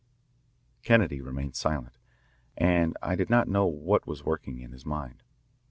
Kennedy remained silent, and I did not know what was working in his mind.